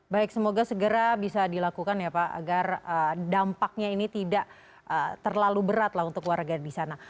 baik semoga segera bisa dilakukan ya pak agar dampaknya ini tidak terlalu berat lah untuk warga di sana